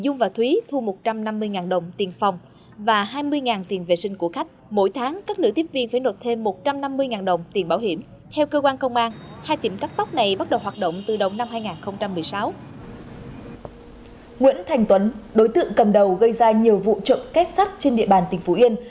nguyễn thành tuấn đối tượng cầm đầu gây ra nhiều vụ trộm kết sắt trên địa bàn tỉnh phú yên